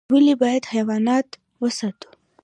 ولي بايد حيوانات وساتو؟